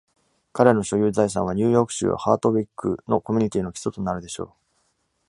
彼の所有財産はニューヨーク州ハートウィックのコミュニティーの基礎となるでしょう。